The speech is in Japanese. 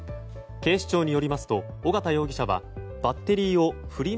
警視庁によりますと小形容疑者は、バッテリーをフリマ